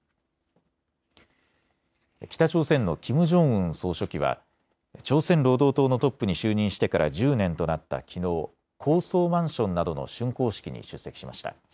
北朝鮮のキム・ジョンウン総書記は朝鮮労働党のトップに就任してから１０年となったきのう高層マンションなどのしゅん